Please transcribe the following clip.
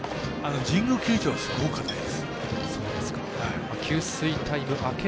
神宮球場はすごくかたいです。